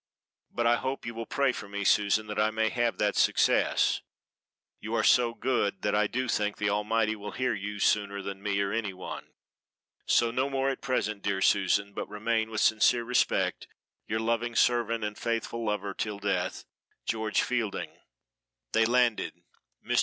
But I hope you will pray for me, Susan, that I may have that success; you are so good that I do think the Almighty will hear you sooner than me or any one. So no more at present, dear Susan, but remain, with sincere respect, your loving servant and faithful lover till death, GEORGE FIELDING." They landed. Mr.